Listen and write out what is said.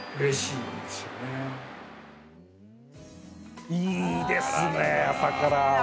いいですね、朝から。